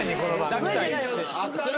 抱きたい。